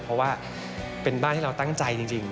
เพราะว่าเป็นบ้านที่เราตั้งใจจริง